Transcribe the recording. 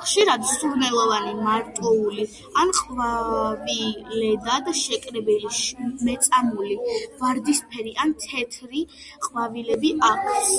ხშირად სურნელოვანი, მარტოული ან ყვავილედად შეკრებილი, მეწამული, ვარდისფერი ან თეთრი ყვავილები აქვს.